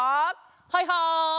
はいはい！